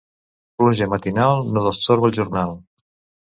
Pluja matinal no destorba el jornal.